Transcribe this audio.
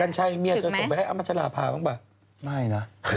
ัญชัยเมียจะส่งไปให้อ้ำพัชราภาบ้างป่ะไม่นะ